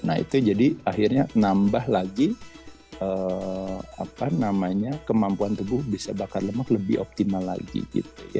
nah itu jadi akhirnya nambah lagi kemampuan tubuh bisa bakar lemak lebih optimal lagi gitu